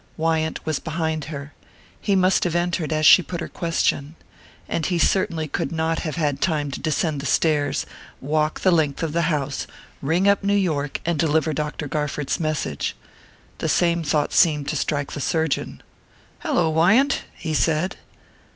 Wyant was behind her he must have entered as she put her question. And he certainly could not have had time to descend the stairs, walk the length of the house, ring up New York, and deliver Dr Garford's message.... The same thought seemed to strike the surgeon. "Hello, Wyant?" he said.